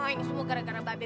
ini semua gara gara ba be